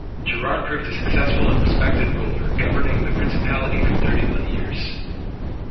Gerard proved a successful and respected ruler, governing the principality for thirty-one years.